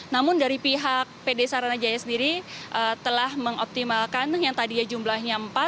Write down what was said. namun dari pihak pd saranajaya sendiri telah mengoptimalkan yang tadinya jumlahnya empat